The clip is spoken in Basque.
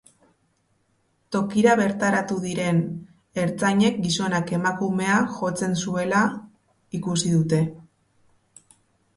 Tokira bertaratu diren ertzainek gizonak emakumea jotzen zuela ikusi dute.